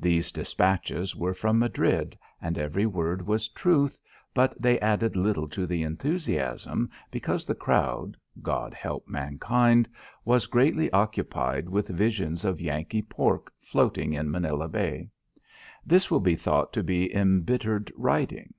These despatches were from Madrid and every word was truth, but they added little to the enthusiasm because the crowd God help mankind was greatly occupied with visions of Yankee pork floating in Manila Bay. This will be thought to be embittered writing.